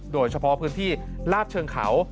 โดยเฉพาะพื้นที่ลาดเชิงเขา